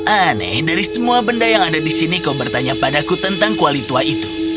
aneh dari semua benda yang ada di sini kau bertanya padaku tentang kuali tua itu